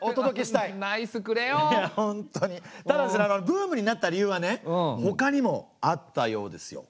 ブームになった理由はねほかにもあったようですよ。